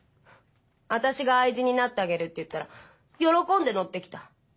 私が愛人になってあげるって言ったら喜んでのってきた。